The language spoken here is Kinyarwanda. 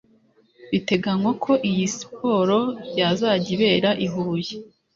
Biteganywa ko iyi siporo yazajya ibera i Huye